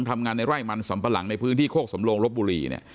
ทำงานในไร่มันสำปะหลังในพื้นที่โคกสำโลงลบบุรีเนี่ย